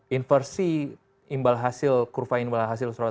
inversi imbal hasil kurva imbal hasil surat